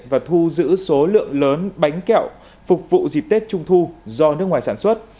và thu giữ số lượng lớn bánh kẹo phục vụ dịp tết trung thu do nước ngoài sản xuất